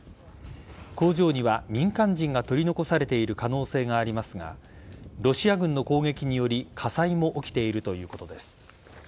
工場には民間人が取り残されている可能性がありますがロシア軍の攻撃により火災も起きているということです。